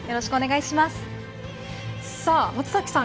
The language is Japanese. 松崎さん